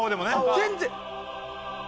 全然。